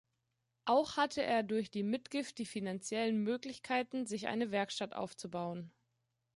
Auch hatte er durch die Mitgift die finanziellen Möglichkeiten, sich eine Werkstatt aufzubauen.